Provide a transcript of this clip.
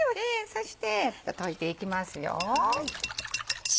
そして溶いていきます。